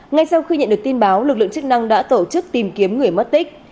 ngay sau khi nhận được tin báo lực lượng chức năng đã tổ chức tìm kiếm người mất tích